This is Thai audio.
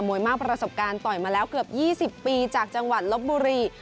วยมากประสบการณ์ต่อยมาแล้วเกือบ๒๐ปีจากจังหวัดลบบุรี